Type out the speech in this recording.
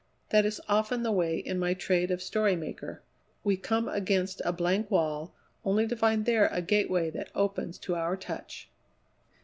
That is often the way in my trade of story maker. We come against a blank wall, only to find there a gateway that opens to our touch."